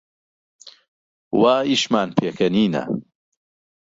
وا ئیشمان پێکەنینە